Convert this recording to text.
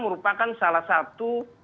merupakan salah satu